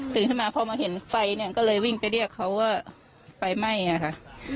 ตื่นขึ้นมาพอมาเห็นไฟก็เลยวิ่งไปเรียกเขาว่าไฟไหม้ค่ะ